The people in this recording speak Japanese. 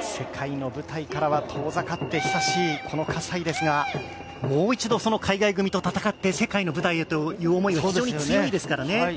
世界の舞台からは遠ざかって久しい、この葛西ですが、もう一度海外組と戦って世界の舞台へという思いが非常に強いですからね。